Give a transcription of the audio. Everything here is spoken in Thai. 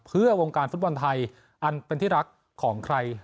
เพื่อวงการฟุตบอลไทยอันเป็นที่รักของใคร